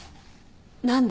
何で？